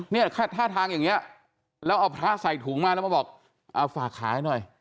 เนี่ยท่าทางอย่างนี้แล้วเอาพระใส่ถุงมาแล้วมาบอกเอาฝากขายหน่อย